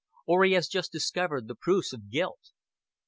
Or he has just discovered the proofs of guilt."